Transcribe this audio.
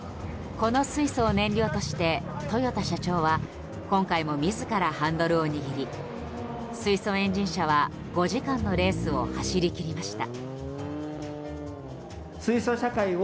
この水素を燃料として豊田社長は今回も自らハンドルを握り水素エンジン車は５時間のレースを走り切りました。